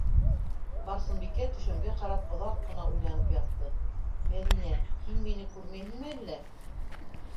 - Барсынбикә түшәмгә ҡарап оҙаҡ ҡына уйланып ятты: - Мәҙинә... һин мине... күрмәйһеңме әллә?!